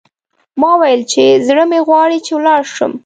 ما وویل چې، زړه مې غواړي چې ولاړ شم.